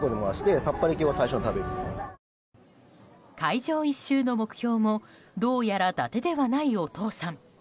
会場一周の目標もどうやら伊達ではないお父さん。